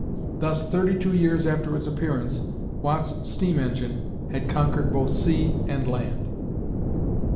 Thus thirty two years after its appearance Watt's steam engine had conquered both sea and land.